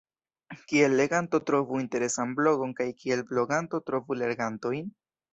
Kiel leganto trovu interesan blogon kaj kiel bloganto trovu legantojn?